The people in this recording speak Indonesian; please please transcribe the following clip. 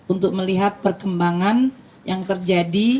untuk melihat perkembangan yang terjadi